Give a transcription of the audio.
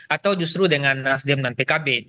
atau justru dengan nasdem dan pkb